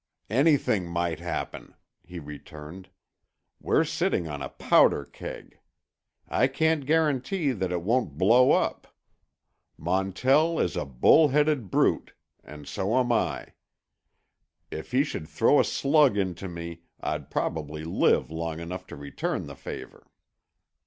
"Anything might happen," he returned. "We're sitting on a powder keg. I can't guarantee that it won't blow up. Montell is a bull headed brute, and so am I. If he should throw a slug into me, I'd probably live long enough to return the favor."